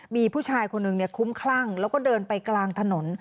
มีผู้ชายคนหนึ่งคุ้มคลั่งแล้วก็เดินไปกลางถนน